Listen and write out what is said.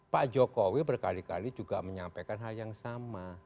pak jokowi berkali kali juga menyampaikan hal yang sama